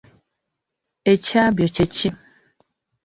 Ekyabyo kye ki?